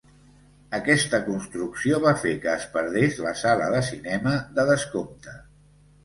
Aquesta construcció va fer que es perdés la sala de cinema de descompte.